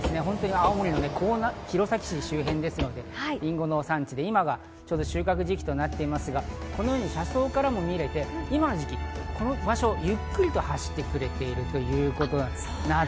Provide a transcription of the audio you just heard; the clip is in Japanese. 青森県弘前市周辺ですので、りんごの産地で今はちょうど収穫時期となっていますが、車窓からも見られて今はこの時期をゆっくりと走ってくれているということなんです。